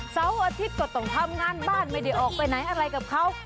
เสาร์อาทิตย์ก็ต้องทำงานบ้านไม่ได้ออกไปไหนอะไรกับเขา